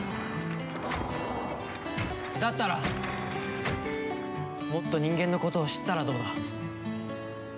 だったらもっと人間のことを知ったらどうだ？